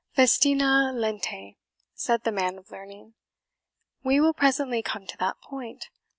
"FESTINA LENTE," said the man of learning, "we will presently came to that point.